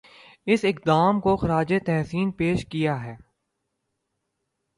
اس قدام کو خراج تحسین پیش کیا ہے